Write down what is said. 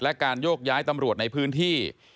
และการโยกย้ายตำรวจในพื้นที่